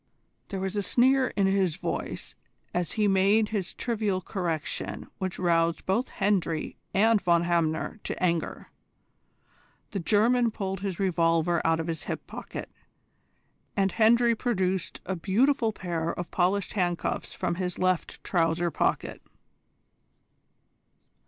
There was a sneer in his voice as he made this trivial correction which roused both Hendry and Von Hamner to anger. The German pulled his revolver out of his hip pocket, and Hendry produced a beautiful pair of polished handcuffs from his left trouser pocket.